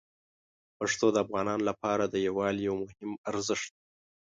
پښتو د افغانانو لپاره د یووالي یو مهم ارزښت دی.